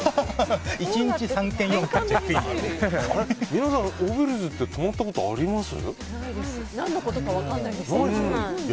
皆さん、オーベルジュ泊まったことあります？